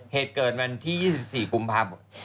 เหตุเกิดวันที่๒๔กุมภาพ